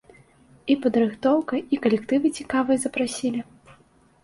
І падрыхтоўка, і калектывы цікавыя запрасілі.